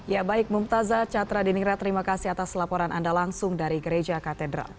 ya baik mumtazah catra diningra terima kasih atas laporan anda langsung dari gereja katedral